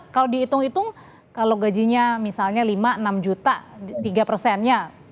kalau dihitung hitung kalau gajinya misalnya lima enam juta tiga persennya